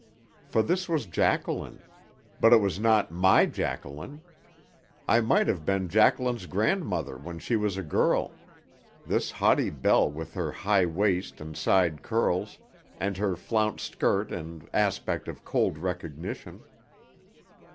For this was Jacqueline; but it was not my Jacqueline. It might have been Jacqueline's grandmother when she was a girl this haughty belle with her high waist and side curls, and her flounced skirt and aspect of cold recognition.